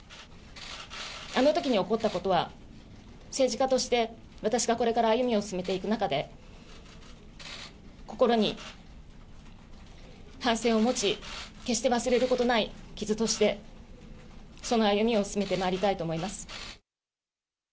あのときに起こったことは、政治家として私がこれから歩みを進めていく中で、心に反省を持ち、決して忘れることない傷として、その歩みを進めてまいりたいと思います。